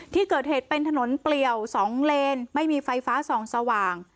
ที่เกิดเหตุเป็นถนนเปลี่ยว๒เลนไม่มีไฟฟ้าส่องสว่าง